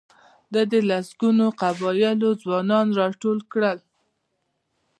ده د لسګونو قبیلو ځوانان راټول کړل.